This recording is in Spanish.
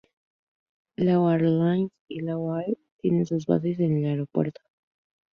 Lao Airlines y Lao Air tienen sus bases en el aeropuerto.